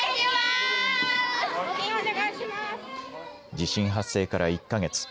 地震発生から１か月。